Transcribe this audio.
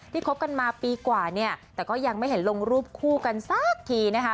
คบกันมาปีกว่าเนี่ยแต่ก็ยังไม่เห็นลงรูปคู่กันสักทีนะคะ